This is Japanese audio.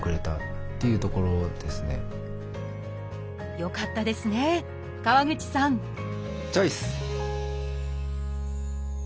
よかったですね川口さんチョイス！